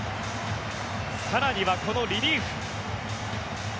更には、このリリーフ。